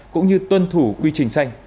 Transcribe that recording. cũng như tuân thủ quy trình xanh